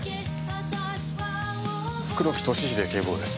黒木俊英警部補です。